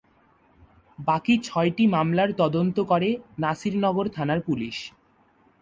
বাকি ছয়টি মামলার তদন্ত করে নাসিরনগর থানার পুলিশ।